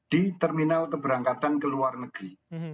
di terminal keberangkatan ke luar negeri